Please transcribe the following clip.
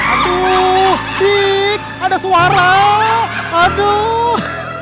aduh fik ada suara aduh